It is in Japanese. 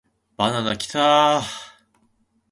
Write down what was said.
バナナキターーーーーー